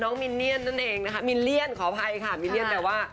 มินเนียนนั่นเองนะคะมิลเลียนขออภัยค่ะมิลเลียนแปลว่า